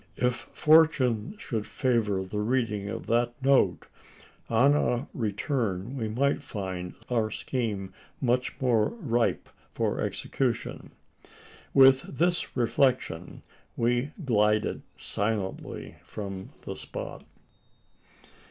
If fortune should favour the reading of that note, on our return we might find our scheme much more ripe for execution. With this reflection, we glided silently from the spot.